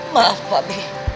maaf pak b